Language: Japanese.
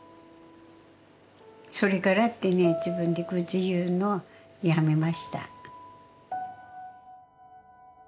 それからってね自分で愚痴言うのやめました。